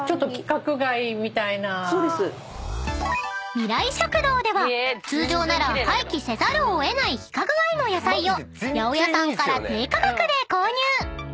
［「未来食堂」では通常なら廃棄せざるを得ない規格外の野菜を八百屋さんから低価格で購入］